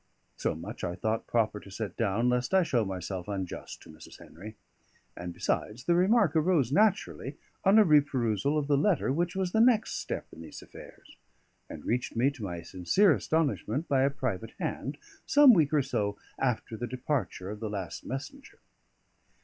So much I thought proper to set down, lest I show myself unjust to Mrs. Henry. And, besides, the remark arose naturally, on a re perusal of the letter which was the next step in these affairs, and reached me, to my sincere astonishment, by a private hand, some week or so after the departure of the last messenger.